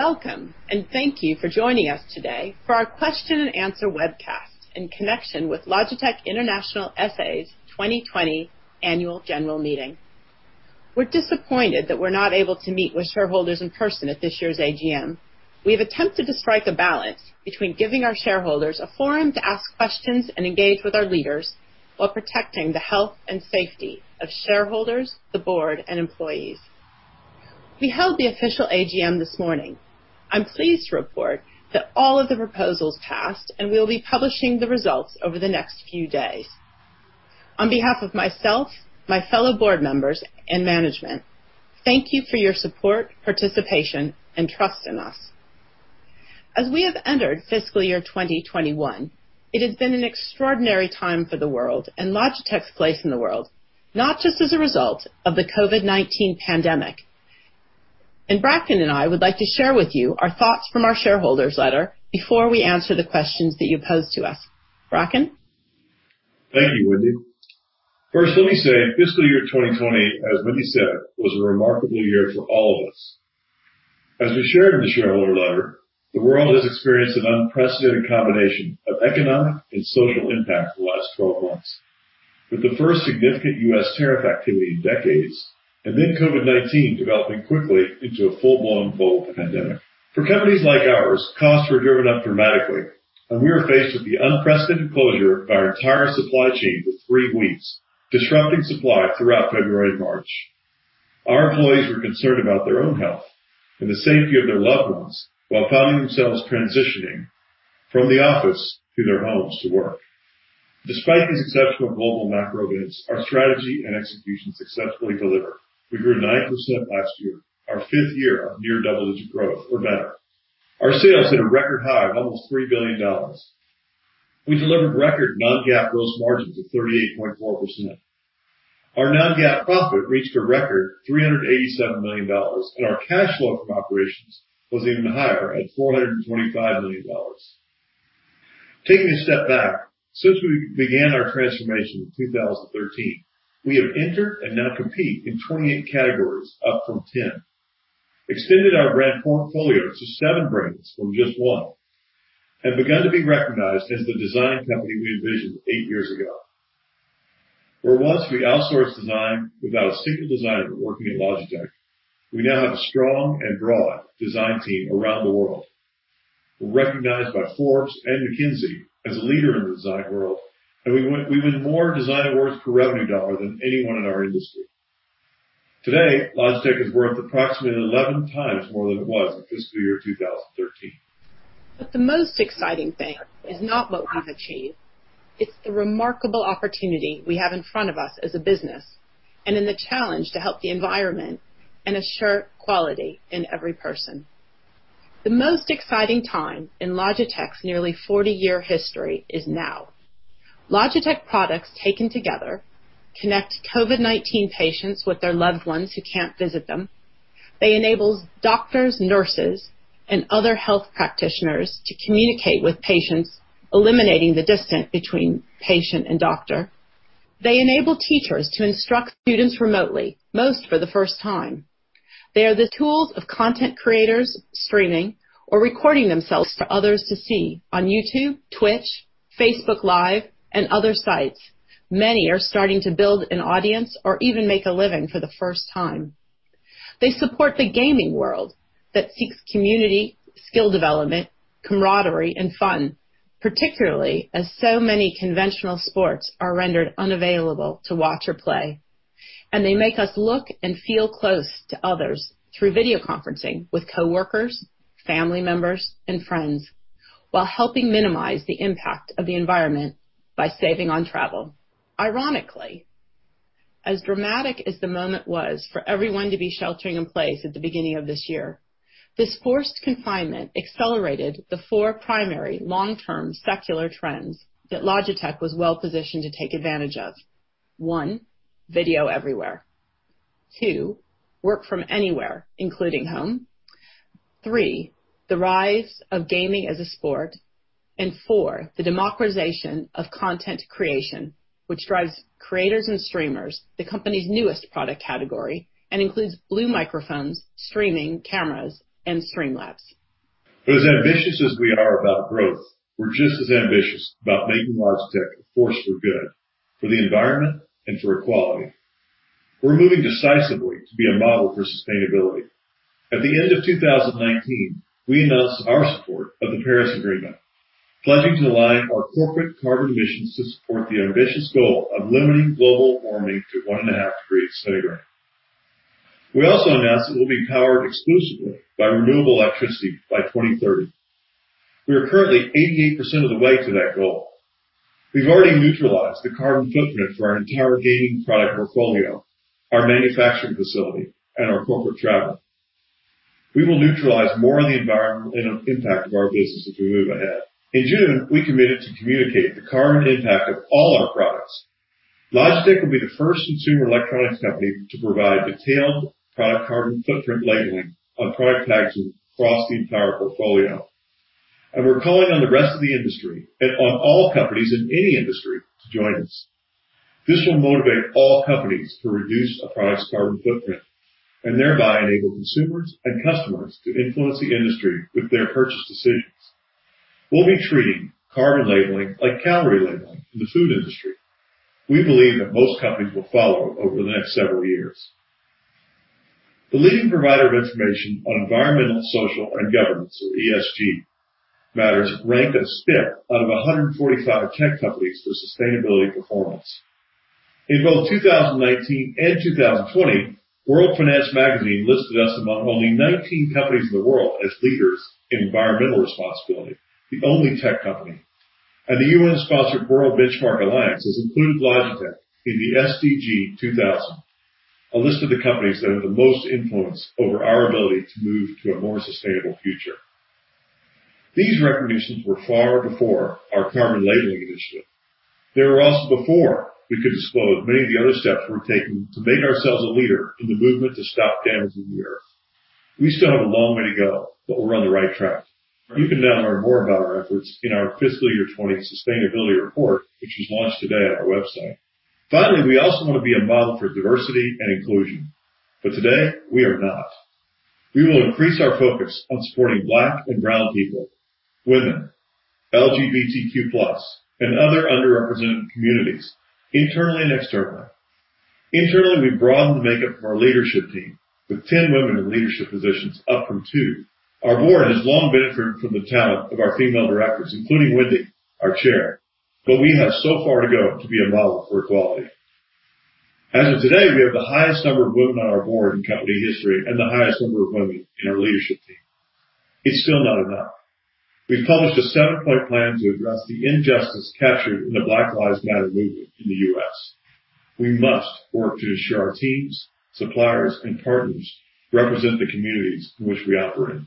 Welcome, and thank you for joining us today for our question-and-answer webcast in connection with Logitech International S.A.'s 2020 Annual General Meeting. We're disappointed that we're not able to meet with shareholders in person at this year's AGM. We have attempted to strike a balance between giving our shareholders a forum to ask questions and engage with our leaders while protecting the health and safety of shareholders, the board, and employees. We held the official AGM this morning. I'm pleased to report that all of the proposals passed, and we'll be publishing the results over the next few days. On behalf of myself, my fellow board members, and management, thank you for your support, participation, and trust in us. As we have entered fiscal year 2021, it has been an extraordinary time for the world and Logitech's place in the world, not just as a result of the COVID-19 pandemic. Bracken and I would like to share with you our thoughts from our shareholders letter before we answer the questions that you posed to us. Bracken? Thank you, Wendy. First, let me say, fiscal year 2020, as Wendy said, was a remarkable year for all of us. As we shared in the shareholder letter, the world has experienced an unprecedented combination of economic and social impact in the last 12 months. With the first significant U.S. tariff activity in decades, and then COVID-19 developing quickly into a full-blown global pandemic. For companies like ours, costs were driven up dramatically, and we were faced with the unprecedented closure of our entire supply chain for three weeks, disrupting supply throughout February and March. Our employees were concerned about their own health and the safety of their loved ones while finding themselves transitioning from the office to their homes to work. Despite these exceptional global macro events, our strategy and execution successfully delivered. We grew 9% last year, our fifth year of near double-digit growth or better. Our sales hit a record high of almost $3 billion. We delivered record non-GAAP gross margins of 38.4%. Our non-GAAP profit reached a record $387 million, and our cash flow from operations was even higher at $425 million. Taking a step back, since we began our transformation in 2013, we have entered and now compete in 28 categories, up from 10, extended our brand portfolio to 7 brands from just one, and begun to be recognized as the design company we envisioned eight years ago. Where once we outsourced design without a single designer working at Logitech, we now have a strong and broad design team around the world. We're recognized by Forbes and McKinsey as a leader in the design world, and we win more design awards per revenue dollar than anyone in our industry. Today, Logitech is worth approximately 11 times more than it was in fiscal year 2013. The most exciting thing is not what we've achieved. It's the remarkable opportunity we have in front of us as a business, and in the challenge to help the environment and assure equality in every person. The most exciting time in Logitech's nearly 40-year history is now. Logitech products, taken together, connect COVID-19 patients with their loved ones who can't visit them. They enable doctors, nurses, and other health practitioners to communicate with patients, eliminating the distance between patient and doctor. They enable teachers to instruct students remotely, most for the first time. They are the tools of content creators streaming or recording themselves for others to see on YouTube, Twitch, Facebook Live, and other sites. Many are starting to build an audience or even make a living for the first time. They support the gaming world that seeks community, skill development, camaraderie, and fun, particularly as so many conventional sports are rendered unavailable to watch or play. They make us look and feel close to others through video conferencing with coworkers, family members, and friends, while helping minimize the impact of the environment by saving on travel. Ironically, as dramatic as the moment was for everyone to be sheltering in place at the beginning of this year, this forced confinement accelerated the four primary long-term secular trends that Logitech was well-positioned to take advantage of. One, video everywhere. Two, work from anywhere, including home. Three, the rise of gaming as a sport. Four, the democratization of content creation, which drives creators and streamers, the company's newest product category, and includes Blue Microphones, streaming cameras, and Streamlabs. As ambitious as we are about growth, we're just as ambitious about making Logitech a force for good, for the environment, and for equality. We're moving decisively to be a model for sustainability. At the end of 2019, we announced our support of the Paris Agreement, pledging to align our corporate carbon emissions to support the ambitious goal of limiting global warming to 1.5 degrees Centigrade. We also announced that we'll be powered exclusively by renewable electricity by 2030. We are currently 88% of the way to that goal. We've already neutralized the carbon footprint for our entire gaming product portfolio, our manufacturing facility, and our corporate travel. We will neutralize more of the environmental impact of our business as we move ahead. In June, we committed to communicate the carbon impact of all our products. Logitech will be the first consumer electronics company to provide detailed product carbon footprint labeling on product packaging across the entire portfolio. We're calling on the rest of the industry, and on all companies in any industry to join us. This will motivate all companies to reduce a product's carbon footprint, and thereby enable consumers and customers to influence the industry with their purchase decisions. We'll be treating carbon labeling like calorie labeling in the food industry. We believe that most companies will follow over the next several years. The leading provider of information on environmental, social, and governance, or ESG, matters ranked us fifth out of 145 tech companies for sustainability performance. In both 2019 and 2020, World Finance Magazine listed us among only 19 companies in the world as leaders in environmental responsibility, the only tech company. The UN's [World Benchmarking Alliance] has included Logitech in the SDG 2000, a list of the companies that have the most influence over our ability to move to a more sustainable future. These recognitions were far before our carbon labeling initiative. They were also before we could disclose many of the other steps we're taking to make ourselves a leader in the movement to stop damaging the Earth. We still have a long way to go, but we're on the right track. You can now learn more about our efforts in our fiscal year 2020 sustainability report, which was launched today on our website. We also want to be a model for diversity and inclusion. Today, we are not. We will increase our focus on supporting Black and Brown people, women, LGBTQ+, and other underrepresented communities, internally and externally. Internally, we've broadened the makeup of our leadership team, with 10 women in leadership positions, up from two. Our board has long benefited from the talent of our female directors, including Wendy, our chair, but we have so far to go to be a model for equality. As of today, we have the highest number of women on our board in company history, and the highest number of women in our leadership team. It's still not enough. We've published a seven-point plan to address the injustice captured in the Black Lives Matter movement in the U.S. We must work to ensure our teams, suppliers, and partners represent the communities in which we operate.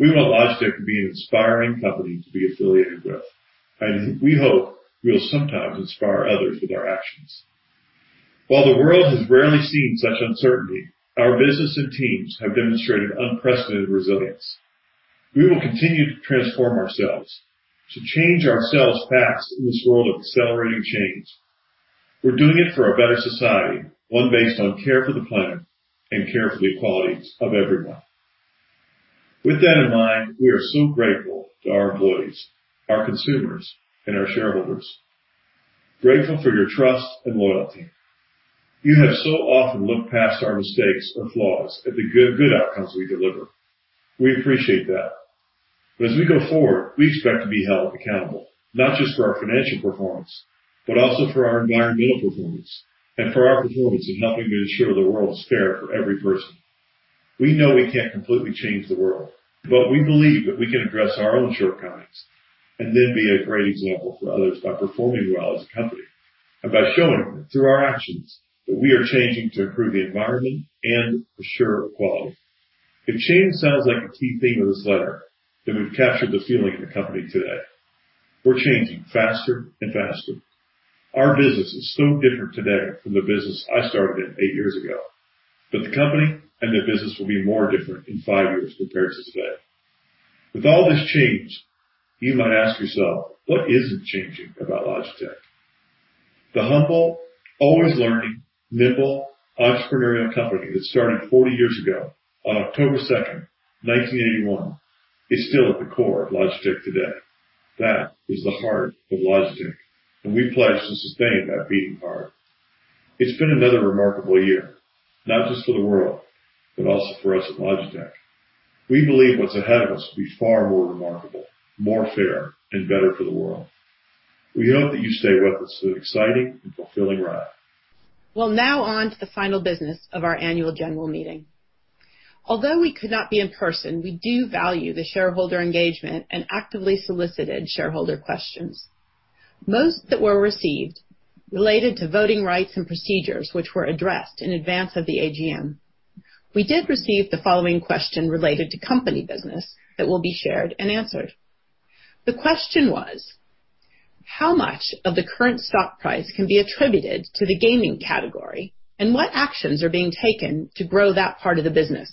We want Logitech to be an inspiring company to be affiliated with, and we hope we will sometimes inspire others with our actions. While the world has rarely seen such uncertainty, our business and teams have demonstrated unprecedented resilience. We will continue to transform ourselves to change ourselves fast in this world of accelerating change. We're doing it for a better society, one based on care for the planet and care for the equalities of everyone. With that in mind, we are so grateful to our employees, our consumers, and our shareholders. Grateful for your trust and loyalty. You have so often looked past our mistakes or flaws at the good outcomes we deliver. We appreciate that. As we go forward, we expect to be held accountable, not just for our financial performance, but also for our environmental performance, and for our performance in helping to ensure the world is fair for every person. We know we can't completely change the world, but we believe that we can address our own shortcomings, and then be a great example for others by performing well as a company, and by showing through our actions that we are changing to improve the environment and ensure equality. If change sounds like a key theme of this letter, then we've captured the feeling in the company today. We're changing faster and faster. Our business is so different today from the business I started in eight years ago. The company and the business will be more different in five years compared to today. With all this change, you might ask yourself, "What isn't changing about Logitech?" The humble, always learning, nimble, entrepreneurial company that started 40 years ago on October 2nd, 1981, is still at the core of Logitech today. That is the heart of Logitech, and we pledge to sustain that beating heart. It's been another remarkable year, not just for the world, but also for us at Logitech. We believe what's ahead of us will be far more remarkable, more fair, and better for the world. We hope that you stay with us through an exciting and fulfilling ride. Now on to the final business of our annual general meeting. Although we could not be in person, we do value the shareholder engagement and actively solicited shareholder questions. Most that were received related to voting rights and procedures, which were addressed in advance of the AGM. We did receive the following question related to company business that will be shared and answered. The question was: how much of the current stock price can be attributed to the gaming category, and what actions are being taken to grow that part of the business?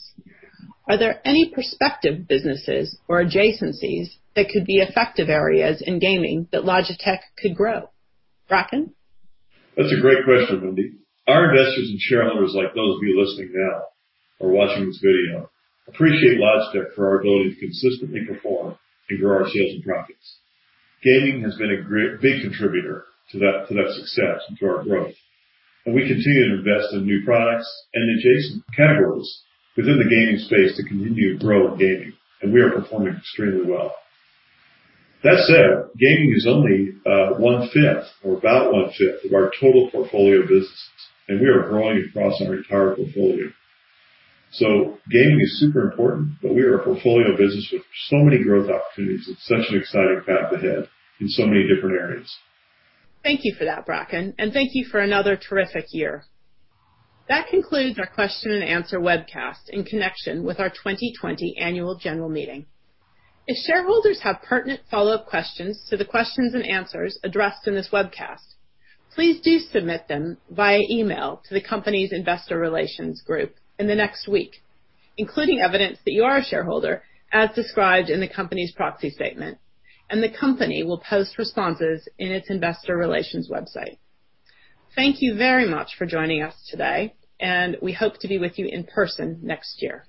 Are there any prospective businesses or adjacencies that could be effective areas in gaming that Logitech could grow? Bracken? That's a great question, Wendy. Our investors and shareholders, like those of you listening now or watching this video, appreciate Logitech for our ability to consistently perform and grow our sales and profits. Gaming has been a big contributor to that success and to our growth. We continue to invest in new products and adjacent categories within the gaming space to continue to grow in gaming. We are performing extremely well. That said, gaming is only 1/5, or about 1/5, of our total portfolio of businesses. We are growing across our entire portfolio. Gaming is super important. We are a portfolio business with so many growth opportunities and such an exciting path ahead in so many different areas. Thank you for that, Bracken, and thank you for another terrific year. That concludes our question and answer webcast in connection with our 2020 annual general meeting. If shareholders have pertinent follow-up questions to the questions and answers addressed in this webcast, please do submit them via email to the company's investor relations group in the next week, including evidence that you are a shareholder, as described in the company's proxy statement, and the company will post responses in its investor relations website. Thank you very much for joining us today, and we hope to be with you in person next year.